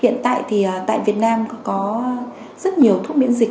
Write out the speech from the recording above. hiện tại thì tại việt nam có rất nhiều thuốc miễn dịch